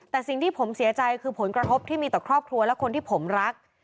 แต่สิ่งที่ผมเสียใจคือผลกระทบที่มีต่อครอบครัวและคนที่ผมรัก